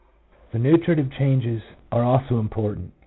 The nutritive changes are also important.